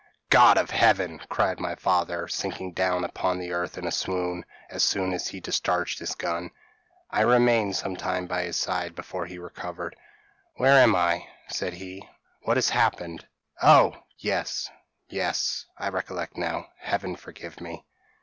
p> "'God of Heaven!' cried my father, sinking down upon the earth in a swoon, as soon as he had discharged his gun. "I remained some time by his side before he recovered. 'Where am I?' said he, 'what has happened? Oh! yes, yes! I recollect now. Heaven forgive me!'